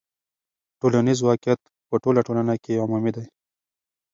ټولنیز واقعیت په ټوله ټولنه کې عمومي دی.